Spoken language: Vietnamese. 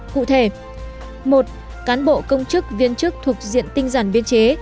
cụ thể một cán bộ công chức viên chức thuộc diện tinh giản biên chế